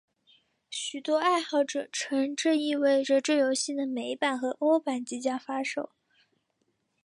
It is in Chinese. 许多爱好者称这意味这游戏的美版和欧版即将发售。